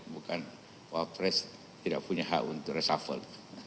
bukan pak pres tidak punya hak untuk resafel